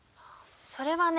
それはね